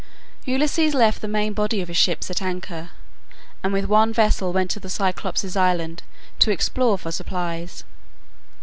Ulysses left the main body of his ships at anchor, and with one vessel went to the Cyclopes' island to explore for supplies.